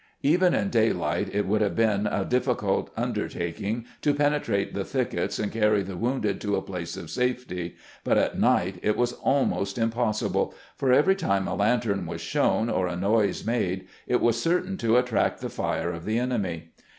Even in daylight it would have been a difficult undertaking to penetrate the thickets and carry the wounded to a place of safety, but at night it was almost impossible, for every time a lantern was shown, or a noise made, it was certain to attract the fire of the enemy.